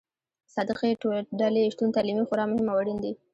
صادقې ډلې شتون تعلیمي خورا مهم او اړين دي.